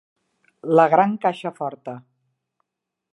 La gran caixa forta.